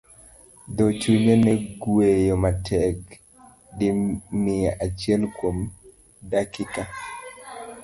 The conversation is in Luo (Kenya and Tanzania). Dho chunye ne gweyo matek di mia achiel kuom dakika.